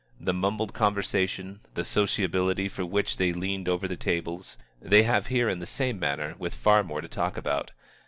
The mumbled conversation, the sociability for which they leaned over the tables, they have here in the same manner with far more to talk about.